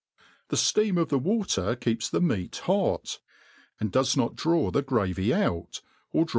The fteam of^the water keepi the meat hot, and does not draw the gravy out, or dra!